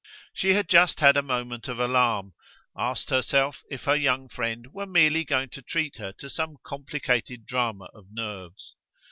She had just had a moment of alarm asked herself if her young friend were merely going to treat her to some complicated drama of nerves.